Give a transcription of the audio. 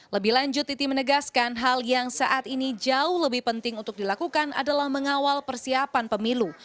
lebih lanjut titi menegaskan hal yang saat ini jauh lebih penting untuk dilakukan adalah mengawal persiapan pemilu